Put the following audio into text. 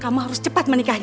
kamu harus cepat menikahi sari